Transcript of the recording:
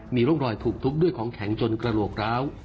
มีร่องรอยถูกทุบด้วยของแข็งจนกระโหลกร้าว